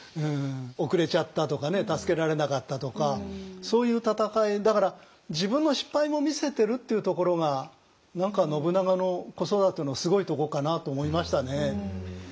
遅れちゃったとか助けられなかったとかそういう戦いだから自分の失敗も見せてるっていうところが何か信長の子育てのすごいとこかなと思いましたね。